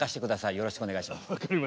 よろしくお願いします。